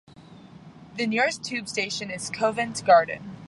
The nearest tube station is Covent Garden.